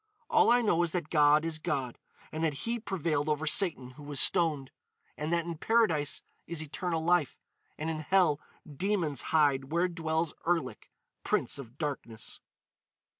All I know is that God is God, and that He prevailed over Satan who was stoned. And that in Paradise is eternal life, and in hell demons hide where dwells Erlik, Prince of Darkness."